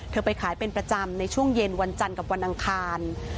ไปขายเป็นประจำในช่วงเย็นวันจันทร์กับวันอังคาร